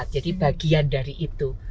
jadi bagian dari itu